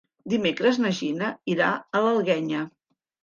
Dimecres na Gina irà a l'Alguenya.